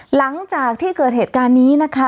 หลังจากที่เกิดเหตุการณ์นี้นะคะ